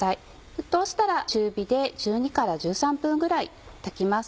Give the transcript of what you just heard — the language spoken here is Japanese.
沸騰したら中火で１２１３分ぐらい炊きます。